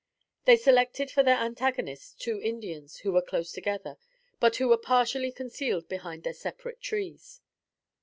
They selected for their antagonists, two Indians who were close together; but, who were partially concealed behind separate trees.